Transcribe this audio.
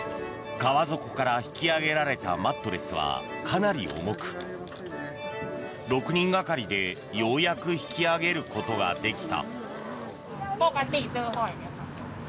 川底から引き揚げられたマットレスはかなり重く６人がかりで、ようやく引き揚げることができた。